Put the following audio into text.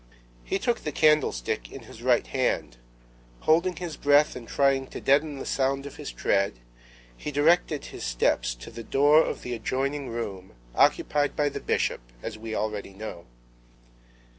He took the candlestick in his right hand; holding his breath and trying to deaden the sound of his tread, he directed his steps to the door of the adjoining room, occupied by the Bishop, as we already know.